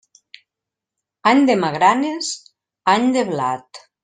Any de magranes, any de blat.